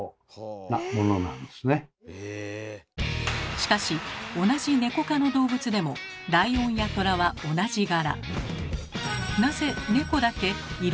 しかし同じネコ科の動物でもライオンやトラは同じ柄。